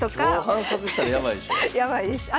今日反則したらやばいでしょう。